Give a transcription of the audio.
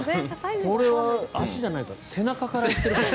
これは足じゃないか背中からいっているか。